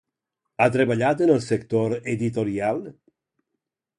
Ha treballat en el sector editorial?